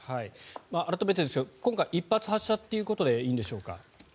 改めてですが今回、１発発射ということでいいんでしょうか。